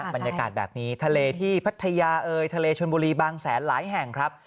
บรรยากาศแบบนี้ทะเลที่พัทยาเอยทะเลชนบุรีบางแสนหลายแห่งครับ